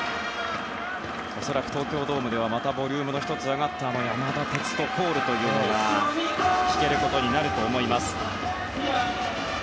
恐らく東京ドームではまたボリュームが１つ上がった山田哲人コールが聞けることになると思います。